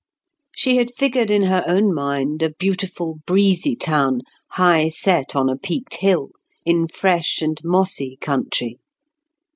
She had figured in her own mind a beautiful breezy town, high set on a peaked hill, in fresh and mossy country.